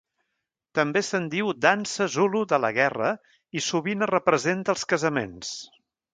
També se'n diu dansa zulu de la guerra i sovint es representa als casaments.